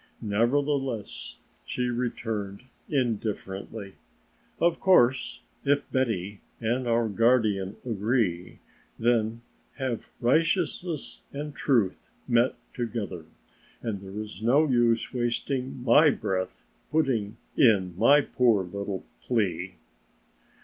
Nevertheless she returned indifferently: "Of course if Betty and our guardian agree, then have righteousness and truth met together and there is no use wasting my breath by putting in my poor little plea."